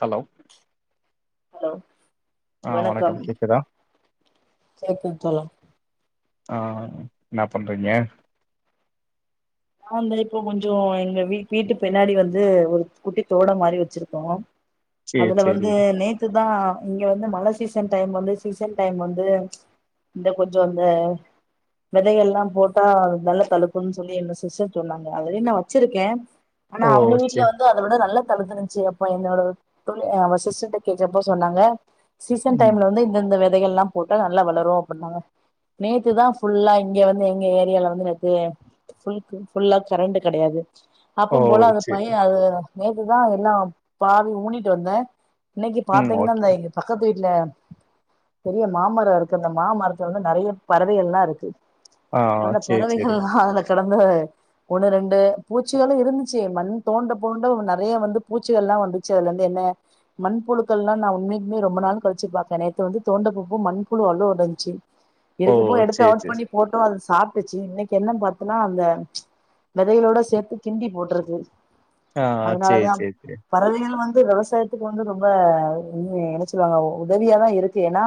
Hello hello ஆ வணக்கம் கேக்குதா கேக்குது தோழா ஆ என்னா பண்றீங்க? ஆ இந்த இப்போ கொஞ்சோ எங்க வீட் வீட்டு பின்னாடி வந்து ஒரு குட்டி தோடம் மாரி வச்சிருக்கோ சேரி அதுல சேரி வந்து நேத்து தா இங்க வந்து மழ சீசன் டைம் வந்து சீசன் டைம் வந்து இந்த கொஞ்ச அந்த வெதையெல்லா போட்டா நல்ல தழுக்குன்னு சொல்லி எங்க சிஸ்டர் சொன்னாங்க அதுலயு நா வச்சிருக்கே ஆனா ஓ அவுங்க வீட்ல சேரி வந்து அதவிட நல்ல தழுத்துனுச்சு அப்ப என்னோட தோழி ஆ சிஸ்ட்டர்ட்ட கேட்டப்ப சொன்னாங்க சீசன் ம் டைம்ல வந்து இந்த இந்த வெ தைகள்லா போட்டா நல்லா வளரு அப்டின்னாங்க நேத்துதா ஃபுல்லா இங்க வந்து எங்க ஏரியால வந்து நேத்து ஃபுல் க்கு ஃபுல்லா கரண்டு கெடையாது ஓ அப்பம் போல அது பைய சேரி அது நேத்துதா எல்லா பாதி ஊனிட்டு வந்தே இன்னக்கி ம் பாத்தீங்னா ஓகே இந்த இங்க பக்கத் து வீட்ல பெரிய மாமரோ இருக்கு அந்த மாமரத்துல வந்து நெறைய பறவைகள்லா இருக்கு ஆ அந்த சேரி சேரி பறவைகள்லா அத உங்கள ஒண்ணு ரெண்டு பூச்சிகளு இருந்துச்சு மண் தோண்டத்தோண்ட நறையா வந்து பூச்சிகள் எல்லா வந்துச்சு அதுல இருந்து என்ன மண்புழுக்கள் எல்லா நா உண்மைக்குமே ரொம்ப நாள் கழுச்சு பாக்குற நேத்து வந்து தோண்டப்பூப்பு மண்புழு அவ்ளோவு இருந்துச்சு ஓ இருக்கப்போ எடுத்து சேரி அவுட் சேரி பண்ணி போட்டோ அதுஸ் சாப்டுச்சு இன்னிக்கு என்ன் பாத்து இன்னு அந்த வெதைகளோட சேத்து கிண்டி போட்ருக்கு ஆ சேரி அதனாலதா சேரி சேரி பறவைகள் வந் து விவசாயத்துக்கு வந்து ரொம்ப என்ன சொல்வாங்க உதவியாதா இருக் ஏன்னா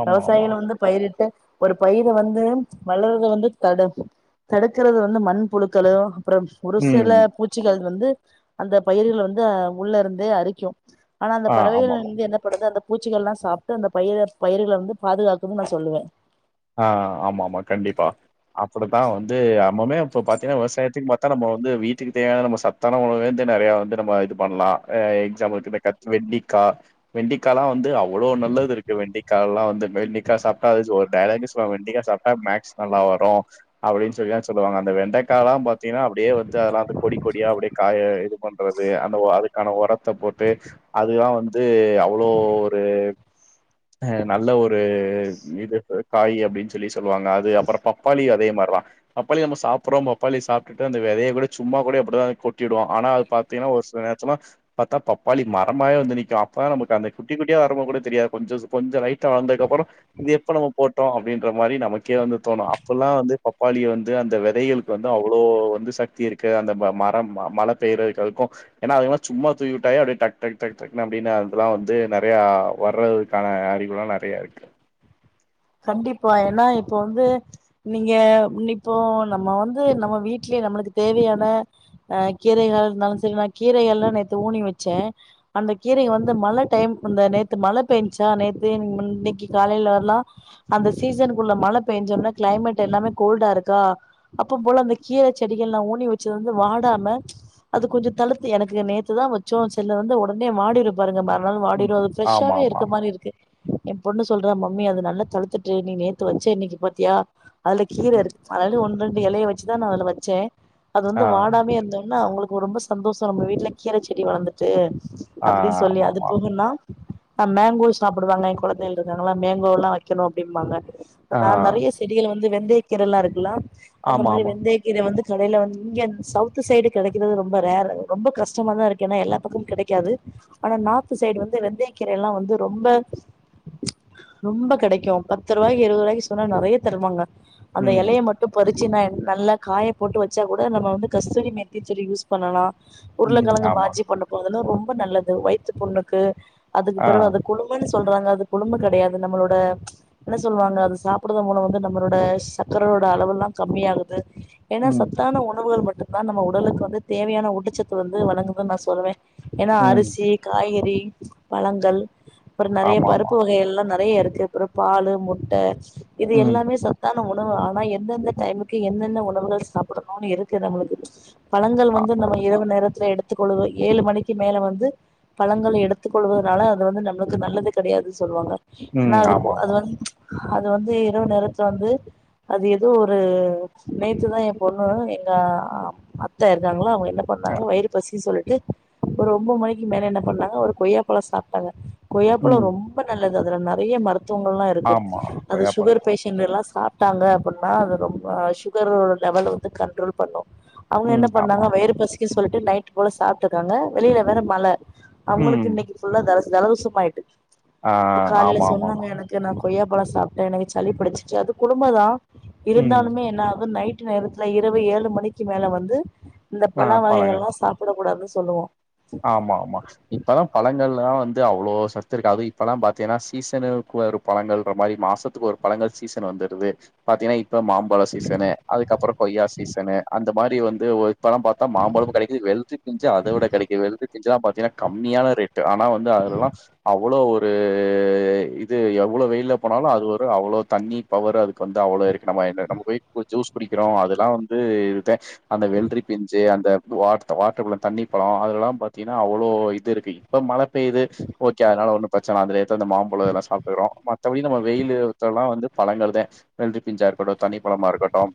ஆமா ஆமா வெவசாயிகள் வந்து பயிரிட்டு ஒரு பயிர வந்து வளறத வந்து தடு தடுக்குறது வந்து மண் புழுக்கலோ அப்புறம் ஒரு சில ம் பூச்சிகள் வந்து அந்த பயிர்கள வந்து உள்ள இருந்தே அரிக்கு ஆனா அந்த ஆ ஆமா பறவைகள் ஆமா வந்து என்ன படது அந்த பூச்சிகல்லா சாப்புட்டு அந்த பயிர பயிர்கள வந்து பாதுகாக்குன்னு நா சொல்லுவ ஆ ஆமா ஆமா கண்டிப்பா அப்டித்தா வந்து அம்மமே இப்ப பாத்தீங்கன்னா விவசாயத்துக்கு பாத்தா நம்ம வந்து வீட்டுக்கு தேவையான நம்ம சத்தான உணவு வந்து நறைய வந்து நம்ம இது பண்லா எ எக்ஸாம் பிள்ளுக்கு இந்த கத்திரிக் வெண்டிக்கா வெண்டிக்கால்லா வந்து அவ் எவ்ளோ நல்லது இருக்கு வெண்டிக்கல்லா வந்து வெண்டிக்கா சாப்டா அது ஒர் டேரெக்டா சொல்லுவாங்க வெண்டைக்கா சாப்டா மேக்ஸ் நல்லா வரு அப்டின் சொல்லி சொல்லுவாங்க அந்த வெண்டக்காலாம் பாத் பாத்தீங்கனா அப்படியே வந்து அதல்லா அந்த கொடி கொடியா அப்படியே காயா இருக்கும் சொல்றது அந்த அதுக்கான ஒரத் த போட்டு அதுல்லா வந்து வந்து அவ்ளோ ஒரு அ நல்ல ஒரு இது காய் அப்டின் சொல்லிஸ் சொல்லுவாங்க அது அப்பற பப்பாளி அ அதே மார்தா பப்பாளி நம்ம சாப்புறோம் பப்பாளி சாப்புட்டு அந்த வெதைய கூட சும்மா கூட அப்படிதா கொட்டிடுவோ ஆனா அது பாத்தீங்கன்னா ஒரு சில நேச்சமா பாத்தா பப்பாளி மரமாவே வந்து நிக்கு அப்பா நம்ம அந்த குட்டி குட்டியா அரும கூட தெரியாது கொஞ்சோஸ் கொஞ்ச லைட்டா வளந்ததுக்கு அப்புறோ இது எப்ப நம்ம போட்டோ அப்டின்ற மாரி நமக்கே வந்து தோணு அப்பல்லா வந்து பப்பாளிய வந்து அந்த வெதைகளுக்கு வந்து அவ்வளோ வந்து சக்தி இருக்கு அந்த ம மரம் மழ பெயறதுக்கு அதுக்கு ஏன்னா அதுல்லா சும்மா தூவி விட்டாவே அப்டியே டக் டக் டக் அப்டின்னு அதுல்லா வந்து நறையா வர்ற துக்கான அறிவுல்லா நறைய இருக்கு கண்டிப்பா ஏன்னா இப்போ வந்து நீங்க இப்போ நம்ம வந்து நம்ம வீட்லியே நம்மளுக்கு தேவையான அ கீரைகள் இருந்தாலும் சேரி நா கீரைகள் எல்லா நேத்து ஊனி வெச்சே அந்த கீரைகள் வந்து மழ டைம் இந்த நேத்து மழ பேஞ்சா நேத்து இன்னிக்கு காலைல எல்லா அந்த சீசனுக்குள்ள மழ பேஞ்சொன்ன கிளைமேட் எல்லாமே கோல்டா இருக்கா அப்ப போல அந்த கீர செடிகள்ல்லா ஊனி வெச்சது வந்து வாடாம அது கொஞ்சோ தழுத்து எனக்கு நேத்துதா வெச்சோ செல்ல வந்து ஒடனே வாடிரு பாருங்க ம அதனால ம் வாடிரு அது ஆமா ஃப்ரஷ்ஷாவே ஆமா இருக்க மாரி இருக்கு எ பொண்ணு சொல்றா மம்மி அது நல்லத் பழுத்துட்டு நீ நேத்து வெச்ச இன்னிக்கு பாத்தியா அதுல கீர இருக்கு அதனால ஒன்ரெண் அந்த எலைய வெச்சுதா நா அதல வச்சே அது வந்து ஆ வாடாமயே இருந்தோன அவங்களுக் கு ரொம்ப சந்தோஷோ நம்ம வீட்ல கீர செடி வளந்துட்டு ஆ அப்டின் சொல்லி ஆமா அது ஆமா போகன்னா ஆ மேங்கோ சாப்புடுவாங்க எங் கொழந்தைகளா நல்லா மேங்கோல்லா வைக்கணும் அப்டிம்பாங்க ஆ நா நறைய செடிகள வந் ந்து வெந்தய கீரல்லா இருக்கு லா அந்த ஆமா மாரி ஆமா வெந்தயக்கீர வந்து கடையல வந்து இங்க சவுத்து சைடு கிடைக்கிறது ரொம்ப ரேர் ரொம்ப கஷ்டமா தா இருக்கு ஏன்னா எல்லா பக்கமும் கிடைக்காது ஆனா நார்த்து சைடு வந்து வெந்தயக்கீரை எல்லாம் வந்து ரொம்ப ரொம்ப கிடைக் கும் பத்து ரூவாய்கு இருவது ரூவாய்கு சொன்ன நறையா தருவாங்க. அந்த ம் இலைய மட்டும் பறிச்சினா எ நல்லா காய போட்டு வச்சா கூட நம்ம வந்து கஸ்தூரி மேத்தி சொல்லி யூஸ் பண்ணலாம் ம் உருளக்கழங்கு ஆமா பாஜி பண்ண போதுலா ரொம் ம்ப நல்லது வாய்த்து புண்ணுக்கு ஆ அதுக்குப்பிறவு அந்த குடும்பன்ஸ் சொல்றாங்க அது கொழும்பு கிடையாது நம்பளோட என்ன சொல்லுவாங்க அது சாப்டறது மூலம் வந்து நம்மளோட சக்கரோட அளவெல்லாம் கம்மியாகது து ஏனா ம் சத்தான உணவுகள் மட் அதுக் தா நம்ப உடலுக்கு வந்து தேவையான ஊட்டச்சத்து வந்து வழங்குதுன் நா சொல்வே ஏனா ம் அரிசி காய்கறி பழங்கள் அப்புறம் நறைய ஆமா ஆமா பருப்பு வகைகள்ல்லா நல் நய் அருக்கு ப்ரோ பாலு முட்ட இது ம் எல்லாமே சத்தா உணவு ஆனா எந்தெந்த டைமுக்கு எந்தெந்த உணவுகள் சாப்படணுன் இருக்கு நம்மளுக்கு பழங்கள் ஆ வந்து நம்ம இரவு நேரத் த எடுத்துக்கொள்ளுங்க ஏழு மணிக்கு மேல வந்து பழங்கள எடுத்துக் கொள்வதுனால அது வந்து நம்மளுக்கு நல்லது கிடையாது சொல்வாங்க ன்ன ம் அது கூ ஆமா அது ஆமா வந் அது வந்து இரவு நேரத்துல வந்து அது ஏதோ ஒரு நேத்துதா எ பொண்ணு எங்க அ அத்தா இருக்காங்ளா அவங்க ன்ன ஆ பண்ணாங்க வயிறு பசி சொல்ட் ட்டு ஒரு ஒம்பது மணிக் மேல என்ன பண்ணாங்க ஒரு கொய்யாப்பழம் சாப்ட்டாங்க கொய்யாப்பழம் ம் ரொம்ப நல்லது அதுல நெறைய மருத் த்துவங்கல்லாம் இருக்கு ஆமா அத சுகர் கொய்யாப்பழோ பேஷண்ட்டுல்ல சாப் ட்டாங்க அப்டின்னா அது ரொம் சுகரோட லெவல் வந்து கண்ட்ரோல் பண்ணும் அவங்க என்ன ம் ஆமா பண்ணாங்க வயிறு பசிக்குது சொல் நைட் போல சாப்புட்டு இருக்காங்க வெளியில வேற மழ அவங்களுக்கு ம் இன்னைக்கு ஃபுல்லா தரஸ் ஜலதோசமா ஆயிட்டு ஆ ஆமா ஆமா ஆமா நா கொய்யாப்பழோ சாப்ட எனக்கு சளி படிச்சுருச்சு அது குடும்பதா ம் இருந்தாலுமே என்னாகு நைட் நேரத்துல இரவு ஏழு மணிக்கு மேல வந்து இந்த ஆ பழ பழங்கள் வகைகள் எல்லா சாப்புட கூடாதுஸ் சொல்லுவோ ஆமா ஆமா இப்பதா பழங்கல்லா வந் து அவ்ளோ சத்து இருக்காது இப்பல்லா பாத்தீங்கன்னா சீசனுக்கு ஒரு பழங்கள்ற மாரி மாசத்துக்கு ஒரு பழங்கள் சீசன் வந்துருது பாத்தீங்கன்னா இப் இப்போ மாம்பழ சீசனு அதுக்கப்பறோ கொய்யா சீசனு அது இந்த மாரி வந்து ஓய் பழம் பாத்தா மாம்பழமு கெடைக்குது வெள்ரி பிஞ்சு அதவிட கெடைக் வெள்ரி பிஞ்சுலா பாத்தீன்னா கம்மியான ரேட் டு ஆனா வந்து அதுலெல்லா அவ்வளோ ஒர் ரு இது எவ்வளோ வெயில போனாலு அது அவ்வளோ தண்ணி பவரு அதுக்கு வந்து அவ்வளோ இருக்கு நம்ம என்ன நம்ம போய் ஜூஸ் குடிக்கிறோ அதெல்லாம் வந்து அந்த வெள்ரி பிஞ்சு அந்த வா வாட்ரமெலன் தண்ணி பழோ அப்போல்லாம் பார்த்தீங்கன்னா அவளோ இது இருக்கு இப்ப மழை பெய்து ஓகே அதனால ஒன்னும் பிரச்சனை அதுல இருந்து நம்ம மாம்பழம் இதுலாம் சாப்பிடுகிறோம் மத்த படி இந்த வெயிலு இதல்லாம் வந்து பழங்கள் தான் வெள்ரி பிஞ்சா இருக்கட்டும் தனிப்பழமா இருக்கட்டும்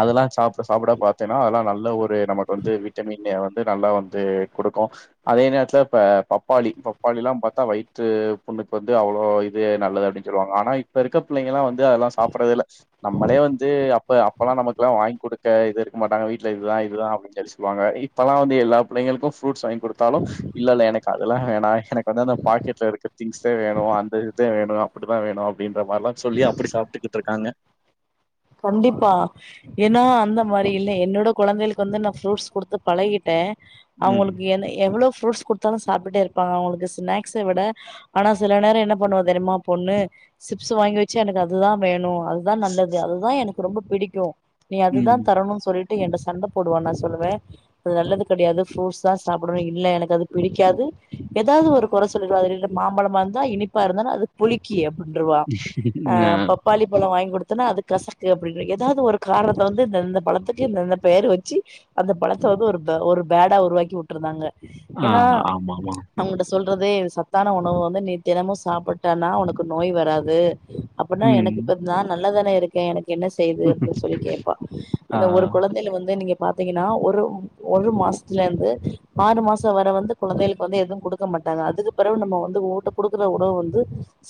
அதெல்லாம் சாப்பிட சாப்பிட பார்த்தியான நல்ல ஒரு நமக்கு வந்து விட்டமின் ஏ வந் நல்லா வந்து குடுக்கும் அதே நேரத்துல இப்ப பப்பாளி பப்பாளி எல்லா பாத்தா வயிற்று புண்ணுக்கு வந்து அவ்வளோ இது நல்லது அப்புடின் சொல்லுவாங்களா ஆனா இப்ப இருக்க புள்ளைங்க எல்லா வந்து அதெல்லா சாப்புடடுறது இல்ல நம்மளே வந்து அப்ப அப்பெல்லாம் நம்மக்கெல்லா வாங்கி குடுக்க இது இருக்க மாட்டாங்க வீட்ல இதுதா இதுதா அப்டின்டெல்லா சொல்லுவாங்க இப்பெல்லா வந்து எல்லா புள்ளைங்களுக்குஸ் ஃப்ரூட்ஸ் வாங் குடுத்தாலு இல்லல்ல எனக்கு அ அதெல்லா வேணா எனக்கு வந்து அந்த பாக்கெட்ல இருக்க திங்ஸு வேணு அந்த இதா வேணு அப்புடித வேணு அப்புடின்ற மாரில்லா சொல்லி அப்படி சாப்புட்டுக்கிட்டு இருக்காங்க கண்டிப்பா ஏன்னா அந்த மாரி இல்லே என்னோட கொழந்தைகளுக்கு வந்து நா ஃப்ரூட்ஸ் குடுத்து பழகிட்டே ம் அவங்களுக்கு என்ன எவ்வளோஸ் ஃப்ரூட்ஸ் குடுத்தாலு சாப்புட்டே இருப்பாங்க அவங்களுக்கு ஸ்நேக்ஸ விட ஆனா சில நேரோ என்ன பண்ணுவா தெரியுமா பொண்ணு சிப்ஸு வாங்கி வெச்சா எனக்கு அதுதா வேணு அதுதா நல்லது அது அதுதா எனக்கு ரொம்ப புடிக்கு நீ ம் அதுதான் தரணுன் சொல்லிட் டு என்ட சண்ட போடுவா நா சொல்லுவ அது நல்லது கெடையாது ஃப்ரூட்ஸ்தா சாப்புடனு இல்ல எனக்கு அது பிடிக்காது ஏதாவது ஒரு கொற சொல்லுவா மாம்பழமா இருந்தா இனிப்பா இருந்தாலு அது புளிக்கி அப் அப்டின்ருவா அ நா பப்பாளி பழோ வாங்கி குடுத் தனா அது கசக்கு அப்புடிங்குவா ஏதாவது ஒரு காரணத்த வந்து இந்தந்த பழத்துக்கு இந்தந்த பேரு வெச்சு அந்த பழத்த வந்து ஒரு ஒரு பேடா உருவாக்கி உட்டுருந்தாங்க ஆ ஏன்னா ஆமாமா. அவங்ககிட்ட சொல் றதே சத்தான உணவு வந்து நீ தினமும் சாப்பிட்டானா உனக்கு நோய் வராது அப்படினா எனக்கு ம். இப்ப நல்ல நல்ல தானே இருக்கு எனக்கு என்ன செய்யுது அப்படின்னு சொல்லி கேட்பான் ஆ, அந்த ஒரு கொழந்தையில வந்து நீங்க பாத்தீங்கன்னா ஒரு ஒரு மாசத்துல இருந்து ஆறு மாசம் வரை வந்து குழந்தைகளுக்கு வந்து எதுவும் கொடுக்க மாட்டாங்க அதுக்கு பிறகு நம்ம வந்து ட்ட கொடுக்குற உணவு வந்து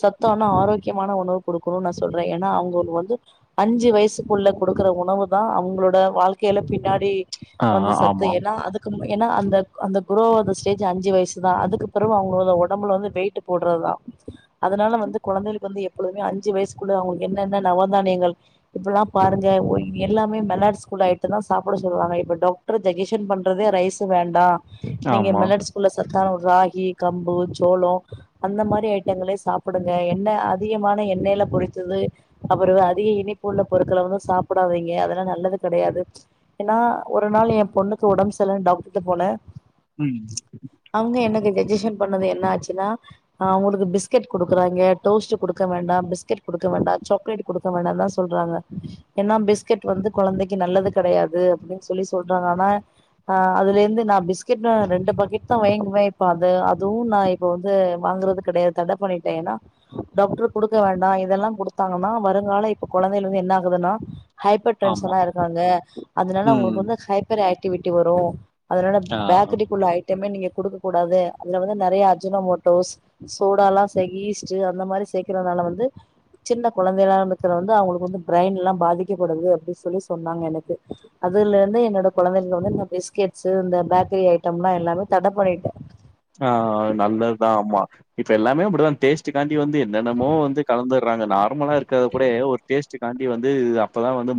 சத்தான ஆரோக்கியமான உணவு கொடுக்கணும்னு நான் சொல்றேன் ஏன்னா அவங்களுக்கு வந்து அஞ்சு வயசுக்குள்ள கொடுக்குற உணவு தான் அவங்களோட வாழ்க்கையில பின்னாடி ஆ வந்து சத்து ஆமா, ஏன்னா அதுக்கு ஏன்னா அந்த அந்த குரோ வந்த ஸ்டேஜ் அஞ்சு வயசுதான் அதுக்குப்புறம் அவங்களோ உடம்புல வந்து வெயிட்டு போடுறதுதான் அதனால வந்து குழந்தைகளுக்கு வந்து எப்போழுதுமே அஞ்சு வயசுகுள்ள அவங்க என்னன்ன ல இப்பல்லாம் பாருங்க எல்லாமே மிலட்ஸ் புட் ஐட்டம் தான் சாப்பிட சொல்லுவாங்க இப்போ டாக்டர் டஜஷன் பண்றதே ரைஸ் வேண்டாம் நீங்க ஆமா. மெல்ட் ஸ்கூல்ல ச ராகி கம்பு சோளம் அந்த மாதிரி ஐட்டங்களே சாப்பிடுங்க எண்ணெய் அதிகமான எண்ணெய்ல பொரிச்சது அப்புறம் அதிக இனிப்பு உள்ள பொருட்களை வந்து சாப்பிடாதீங்க அதெல்லாம் நல்லது கெடையாது ஏன்னா ஒரு நாள் என் பொண்ணுக்கு உடம்பு சரியில்லன்னு டாக்டர்ட போனேன் ம். அங்க எனக்கு சஜேஷ் பண்ணது என்ன ஆச்சுனா அவங்க பிஸ்கெட் கொடுக்கறாங்க டோஸ்ட் கொடுக்க வேண்டாம் பிஸ்கெட் கொடுக்க கூடாது சாக்லேட் கொடுக்க வேண்டாம் தான் சொல்றாங்க ஏன்னா பிஸ்கெட் வந்து குழந்தைக்கு நல்லது கெடையாது அப்படின்னு சொல்லி சொல்றாங்க ஆனா ஆஹ் அதுல இருந்து நான் பிஸ்கெட் ரெண்டு பக்கெட் தான் வாங்குவேன் இப்ப அது அதுவும் நான் இப்ப வந்து வாங்குறது கெடையாது தடை பண்ணிட்டேன் ஏன்னா டாக்டர் கொடுக்க வேண்டாம் இதெல்லாம் த்தாங்கன்னா வருங்கால இப்ப குழந்தைங்க ல வந்து என்ன ஆகுதுன்னா ஹைப்பர் ஆமா. டென்ஷன்னா இருக்காங்க அதனால ம். உங்களுக்கு வந்து ஹைப்பர் த்த விட்டு வரும் அதனால ஆ, பேக்கரிக்குள்ள ஐட்டம் ம நீங்க கொடுக்க கூடாது அதுல வந்து நிறைய அர்ஜுனமோட்டோஸ் சோட எல்லாம் ஈஸ்ட் அந்த மாதிரி சேர்க்கறதுனால வந்து சின்ன குழந்தைகளாம் இருக்கிற வந்து அவங்களுக்கு வந்து பிரைன் எல்லாம் பாதிக்கப்படுது அப்படின்னு சொல்லி சொன்னாங்க எனக்கு அதுல இருந்து என்னோட குழந்தைகளுக்கு வந்து இந்த பிஸ்கெட்ஸ் இந்த பேக்கரி ஐட்டம் எல்லாம் எல்லாமே தடை பண்ணிட்டேன் ஆஹ் நல்லதுதான் ஆமா இப்ப எல்லாமே அப்படிதான் டேஸ்ட கா வந்து என்னென்னமோ வந்து கலந்த ங்க நார்மலா இருக்கத கூட ஒரு டேஸ்ட் காண்டி வந்து அ இப்பதான் வந்து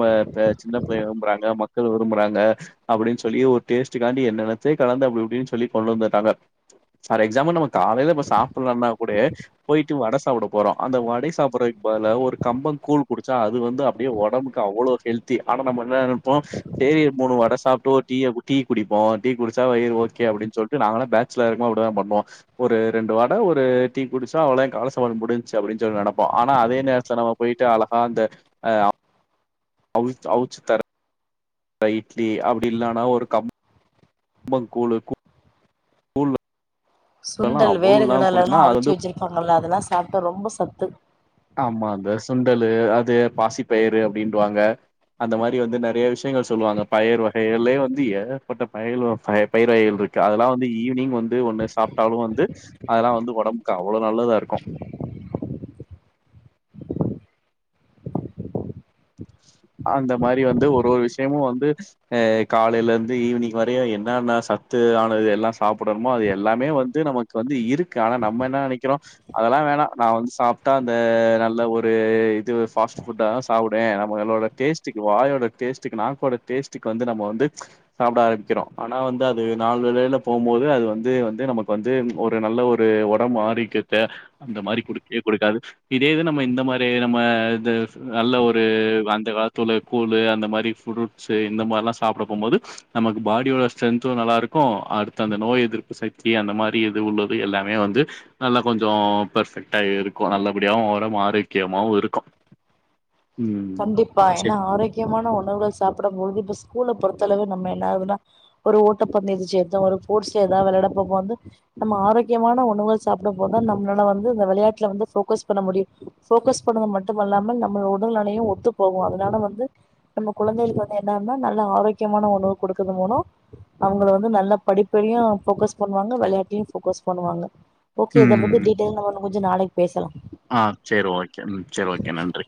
சின்ன பிள்ளைகளும் விரும்புறாங்க விரும்புறாங்க அப்படின்னு சொல்லி ஒரு டேஸ்டு காண்டி என்னெனத்தயோ கலந்து அப்படி அப்படின்னு சொல்லி கொண்டு வந்துட்டாங்க பார் எக்ஸாம்பல் நமக்கு காலையில இப்ப சாப்பிடலனா கூட போயிட்டு வ சாப்பிட போறோம் அந்த வடை சாப்பிடறதுக்கு பதிலா ஒரு கம்பம் கூழ் குடிச்சா அது அது வந்து அப்படியே உடம்புக்கு அவ்வளோ ஹெல்த்தி ஆனா நம்ம என்ன நெனப்போம் டெய்லி மூணு வடை சாப்பிட்டு டீ குடிப்போம் டீ குடிச்சா ஓகே அப்படின்னு சொல்லிட்டு நா ல இருக்கும் அப்படிதான் பண்ணுவோம் ஒரு ரெண்டு வாட ஒரு டீ குடிச்சா அவ்வளன் கால சாப்பாடு முடிஞ்ச்சு அப்படின்னு சொல்லி நினைப்போம் ஆனா அதே நேரத்துல நம்ம போயிட்டு அழகா அந்த அஹ் அ அவுச்சு தர இட்லி அப்படி இல்லனா ஒரு க கம்பங்கூழு கூ கூழ்ல சுண்டல் வேர்கடல எல்லா வந்து அவிச்சு வச்சிருப்பாங்கல்ல அதெல்லா சாப்ட்டோ ரொம்ப சத்து ஆமா இந்த சுண்டலு அது பாசிப்பயிறு அப்டின்வாங்க அந்த மாரி வந்து நெறைய விஷயங்கள் சொல்லுவாங்க பயறு வகைகள்லயே வந்து ஏகப்பட்ட பயல் வ பய பயறு வகைகள் இருக்கு அதெல்லா வந்து ஈவினிங் வந் து ஒண்ணு சாப்ட்டாலு வந்து அதெல்லா வந்து ஒடம்பு அவ்ளோ நல்லதா இருக்கு அந்த மாரி வந்து ஒரு ஒரு விஷயமு வந்து ஆ காலைல இருந்து ஈவினிங் வரைய என்னன்ன சத்து ஆனது எல்லா சாப்படணுமோ அது எல்லாமே வந்து நமக்கு வந்து இரு க்கு ஆனா நம்ம என்ன நெனைக்கிறோ அதெல்லா வேணா நா வந்து சாப்ட்டா அந்த நல்ல ஒரு இது பாஸ்ட் ஃபுட்டாதா சாப்புடுவே ந ம்மளோட டேஸ்டுக்கு வாயோட டேஸ்டுக்கு நாக்கோட டேஸ்ட்டுக்கு வந்து நம்ம வந்து சாப்ட ஆரம்பிக்கிறோ ஆனா வந்து அது நாளடைவில போகும்போது அது வந்து வந்து நமக்கு வந்து ஒரு நல்ல ஒரு ஒடம்பு ஆரோக்கியத்த அந்த மாரி குடுக்கவே குடுக்காது இதே இது நம்ம இந்த மாரி நம்ம இந்த நல்ல ஒரு இல்ல அந்த காலத்து உள்ள கூழு அந்த மாரி ஃப்ரூட்ஸு இந்த மாரல்லா சாப்ட போம்போது நமக்கு பாடியோட ஸ்ட்ரென்த்து நல்லா இருக்கு அடுத்த அந்த நோய் எதிர்ப்பு சக்தி அந்த மாரி இது உள்ளது எல்லாமே வந்து நல்லா கொஞ்சோ பர்ஃபெக்டா இருக்கு நல்லபடியாவு ஒடம்பு ஆரோக்கியமாவு இருக்கு ம் பா ஏன்னா செரி ஆரோக்கியமான உணவுகள் சாப்டும்பொழுது இப்ப ஸ்கூல பொறுத்தளவு நம்ம என்ன ஆகுதுன்னா ஒரு ஓட்டப்பந்தயத்துல சேந்தா ஒரு ஸ்போர்ட்ஸ் எதா வெளையாட போம்போது நம்ம ஆரோக்கியமான உணவ சாப்டும்போதுதா நம்மளால வந்து இந்த வெளையாட்டுல வந்து ஃபோகஸ் பண்ண முடியு ஃபோகஸ் பண்ணது மட்டுமல்லாமல் நம்ம உடல் நி லையு ஒத்து போகு அதனால வந்து நம்ம குழந்தைக வந்து என்னன்னா நல்ல ஆரோக்கியமான உணவு கொடுக்கறது மூலோ அவுங்கள வந்து நல்ல படிப்பையு ஃபோகஸ் பண்ணுவாங்க வெளையாட்டையு ஃபோகஸ் பண்ணுவாங்க ஓகே இத பத்தி ம் டீட்டைலா நம்ம இன்னு முடிஞ்சா நாளைக் ஆ சேரி ஓகே ம் சேரி ஓகே நன்றி